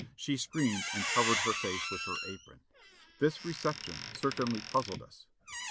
She screamed and covered her face with her apron. This reception certainly puzzled us.